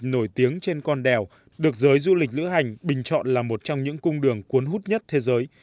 hải vân quan là một địa điểm nổi tiếng trên con đèo được giới du lịch lữ hành bình chọn là một trong những cung đường cuốn hút nhất thế giới